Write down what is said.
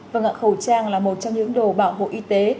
vâng ạ khẩu trang là một trong những đồ bảo hộ y tế